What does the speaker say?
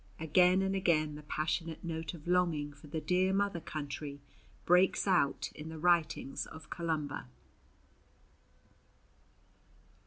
Again and again the passionate note of longing for the dear mother country breaks out in the writings of Columba.